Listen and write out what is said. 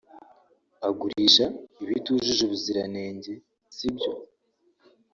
agurisha ibitujuje ubuziranenge sibyo